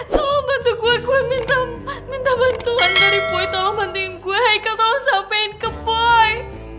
tolong bantu gue gue minta bantuan dari boy tolong bantuin gue hai kal tolong sampein ke boy